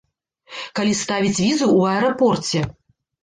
Калі ставіць візу ў аэрапорце.